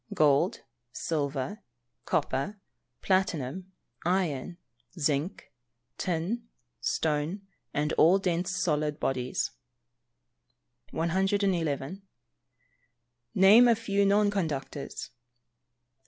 _ Gold, silver, copper, platinum, iron, zinc, tin, stone, and all dense solid bodies. 111. _Name a few non conductors.